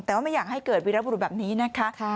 แต่ว่าไม่อยากให้เกิดวีรบุรุษแบบนี้นะคะ